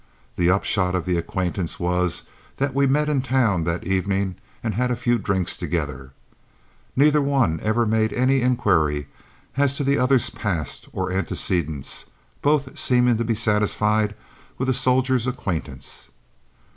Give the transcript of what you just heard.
The upshot of the acquaintance was that we met in town that evening and had a few drinks together. Neither one ever made any inquiry of the other's past or antecedents, both seeming to be satisfied with a soldier's acquaintance.